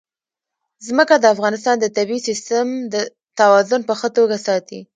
ځمکه د افغانستان د طبعي سیسټم توازن په ښه توګه ساتي.